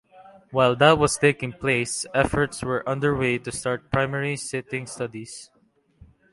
While that was taking place, efforts were underway to start primary siting studies.